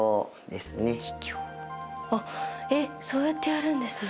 あっえっそうやってやるんですね。